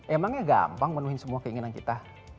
emangnya gampang menuhin semua keinginan kita